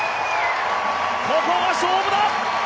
ここが勝負だ！